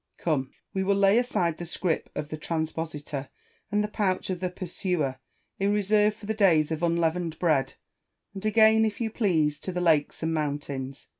Come, we will lay aside the scrip of the transpositor and the pouch of the pursuer, in reserve for the days of unleavened bread ; and again, if you please, to the lakes and mountains.